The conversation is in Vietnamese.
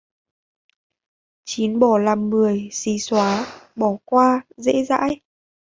Chín bỏ làm mười: xí xóa, bỏ qua, dễ dãi